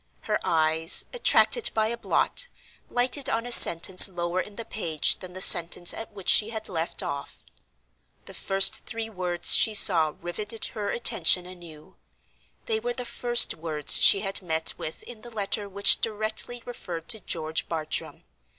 Her eyes, attracted by a blot, lighted on a sentence lower in the page than the sentence at which she had left off. The first three words she saw riveted her attention anew—they were the first words she had met with in the letter which directly referred to George Bartram.